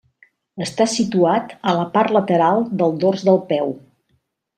Està situat a la part lateral del dors del peu.